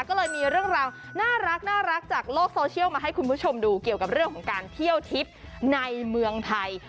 ก็เลยมีเรื่องราวน่ารักจากโลกโซเชียลมาให้คุณผู้ชมดูเกี่ยวกับเรื่องของการเที่ยวทิพย์ในเมืองไทย